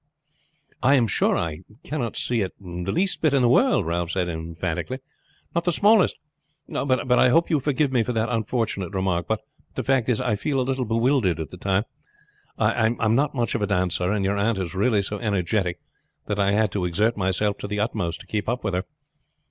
"I am sure I cannot see it the least bit in the world," Ralph said emphatically; "not the smallest. But I hope you forgive me for that unfortunate remark; but the fact is, I felt a little bewildered at the time. I am not much of a dancer, and your aunt is really so energetic that I had to exert myself to the utmost to keep up with her."